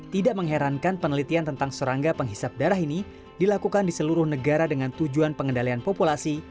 tidak mengherankan penelitian tentang serangga penghisap darah ini dilakukan di seluruh negara dengan tujuan pengendalian populasi